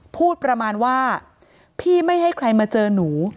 พูดประมาณว่าพี่ไม่ให้ใครมาเจอหนู